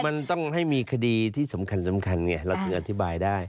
มันต้องให้มีคดีที่สำคัญไงเราถึงอธิบายได้